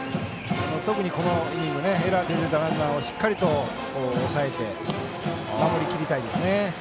特にこのイニングエラーで出たランナーをしっかりと抑えて守りきりたいですね。